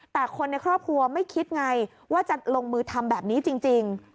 แต่คนในครอบครัวไม่คิดไงว่าจะลงมือทำแบบนี้จริง